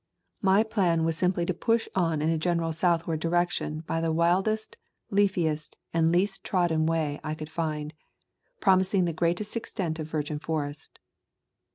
My plan was simply to push on in a general Le A Thousand Mile Walk southward direction by the wildest, leafiest, and least trodden way I could find, promising the greatest extent of virgin forest.